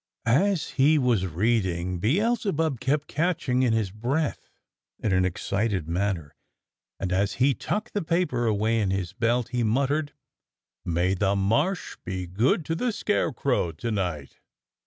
As he was reading, Beelzebub kept catching in his breath in an excited manner, and as he tucked the paper away in his belt he muttered: "May the Marsh be good to the Scarecrow to night!"